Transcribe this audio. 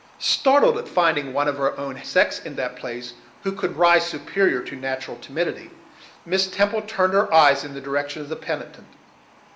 Startled at finding one of her own sex in that place who could rise superior to natural timidity, Miss Temple turned her eyes in the direction of the penitent.